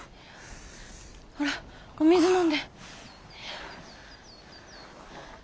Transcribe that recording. ほらお水飲んで。